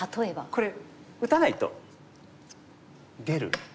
これ打たないと出るオサえる。